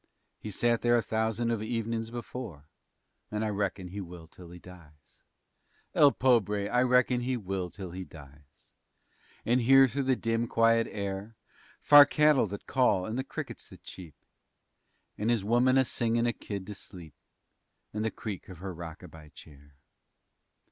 He's sat there a thousand of evenin's before And I reckon he will till he dies. El pobre! I reckon he will till he dies, And hear through the dim, quiet air Far cattle that call and the crickets that cheep And his woman a singin' a kid to sleep And the creak of her rockabye chair.